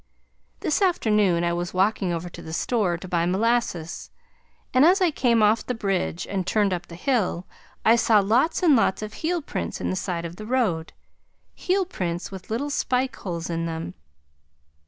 This afternoon I was walking over to the store to buy molasses, and as I came off the bridge and turned up the hill, I saw lots and lots of heelprints in the side of the road, heelprints with little spike holes in them.